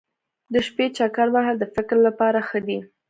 د شپې چکر وهل د فکر لپاره ښه دي.